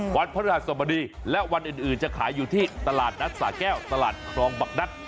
วันพระราชสมดีและวันอื่นจะขายอยู่ที่ตลาดนัดสาแก้วตลาดครองบักนัด